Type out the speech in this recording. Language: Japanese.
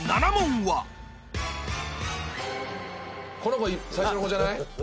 この子最初の子じゃない？